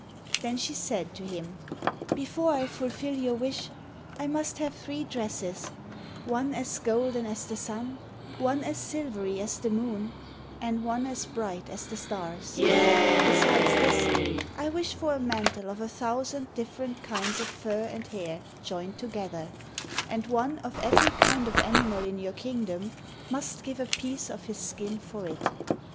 Then she said to him, "Before I fulfil your wish, I must have three dresses, one as golden as the sun, one as silvery as the moon, and one as bright as the stars; besides this, I wish for a mantle of a thousand different kinds of fur and hair joined together, and one of every kind of animal in your kingdom must give a piece of his skin for it."